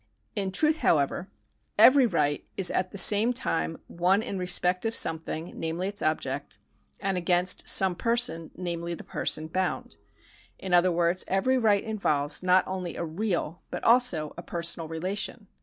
In truth, however, every right is at the same time one in respect of some thing, namely its object, and against some person, namely, the person bound. In other words, every right involves not only a real, but also a personal relation.